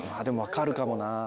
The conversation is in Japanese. でも分かるかもな。